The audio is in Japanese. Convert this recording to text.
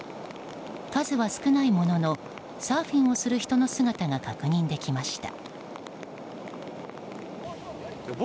数は少ないもののサーフィンをする人の姿が確認できました。